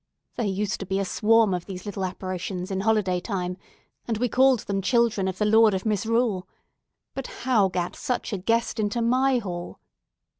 There used to be a swarm of these small apparitions in holiday time, and we called them children of the Lord of Misrule. But how gat such a guest into my hall?"